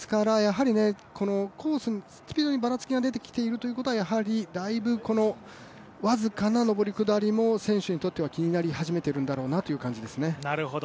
このコース、スピードにばらつきが出てきているということはだいぶ僅かな上り下りも選手にとっては、気になり始めているんだろうなという感じですね。